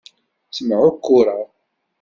Ttemεukkureɣ.